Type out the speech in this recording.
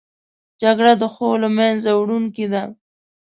جګړه د ښو له منځه وړونکې ده